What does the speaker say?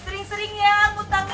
sering sering ya utangnya ya